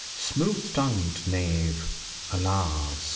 Smooth tongued knave — alas